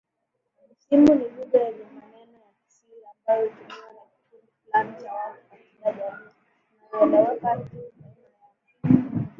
Misimu ni lugha yenye maneno ya kisiri ambayo hutumiwa na kikundi fulani cha watu katika jamii, inayoeleweka tu baina yao.